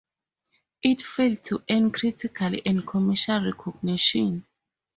It failed to earn critical and commercial recognition.